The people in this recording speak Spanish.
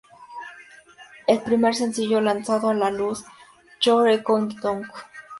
El primer sencillo lanzado a la luz fue "You're going down".